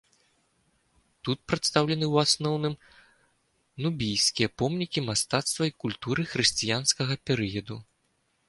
Тут прадстаўлены ў асноўным нубійскія помнікі мастацтва і культуры хрысціянскага перыяду.